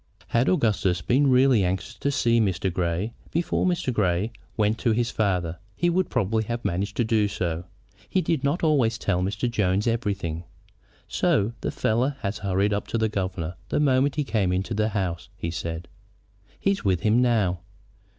Had Augustus been really anxious to see Mr. Grey before Mr. Grey went to his father, he would probably have managed to do so. He did not always tell Mr. Jones everything. "So the fellow has hurried up to the governor the moment he came into the house," he said. "He's with him now."